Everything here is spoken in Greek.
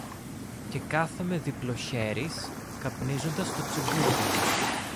Και κάθομαι διπλοχέρης, καπνίζοντας το τσιμπούκι μου